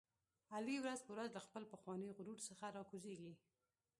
علي ورځ په ورځ له خپل پخواني غرور څخه را کوزېږي.